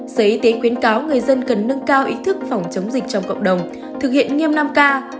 sở y tế khuyến cáo người dân cần nâng cao ý thức phòng chống dịch trong cộng đồng thực hiện nghiêm năm k